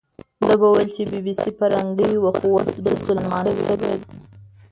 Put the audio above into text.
ده به ویل چې بي بي سي فیرنګۍ وه، خو اوس بسلمانه شوې ده.